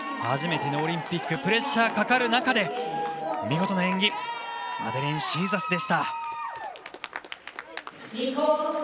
初めてのオリンピックプレッシャーがかかる中で見事な演技マデリン・シーザスでした。